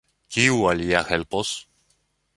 Kiu alia helpos?